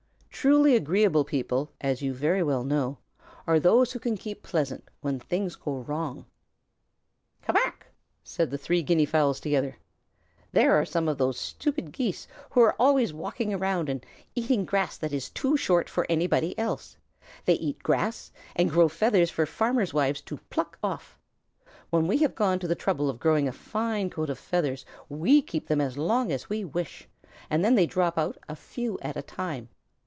Truly agreeable people, as you very well know, are those who can keep pleasant when things go wrong. "Ca mac!" said the three Guinea fowls together. "There are some of those stupid Geese, who are always walking around and eating grass that is too short for anybody else. They eat grass, and grow feathers for Farmers' Wives to pluck off. When we have gone to the trouble of growing a fine coat of feathers, we keep them as long as we wish, and then they drop out, a few at a time.